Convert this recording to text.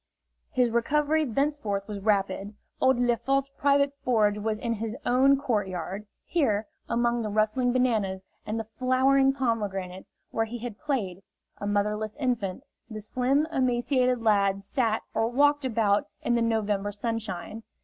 His recovery thenceforth was rapid. Old Lefort's private forge was in his own court yard. Here, among the rustling bananas and the flowering pomegranates, where he had played, a motherless infant, the slim, emaciated lad sat or walked about in the November sunshine.